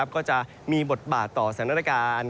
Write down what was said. ก็จะมีบทบาทต่อสถานการณ์